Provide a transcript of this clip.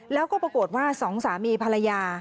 แล้วก็ปรากฏว่าสองสามีภรรยา